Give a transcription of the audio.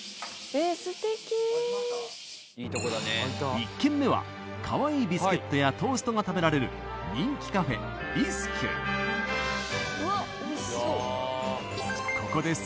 １軒目はかわいいビスケットやトーストが食べられる人気カフェＢＩＳＣＵＩＴ